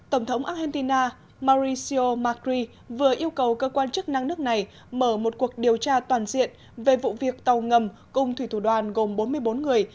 tổng thống argentina mauricio macri vừa yêu cầu cơ quan chức năng nước này mở một cuộc điều tra toàn diện về vụ việc tàu ngầm cùng thủy thủ đoàn gồm bốn mươi bốn người